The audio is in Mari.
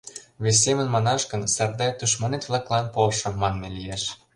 Вес семын манаш гын, Сардай, тушманет-влаклан полшо, манме лиеш.